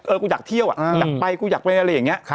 กูอยากเที่ยวอ่ะอยากไปกูอยากไปอะไรอย่างนี้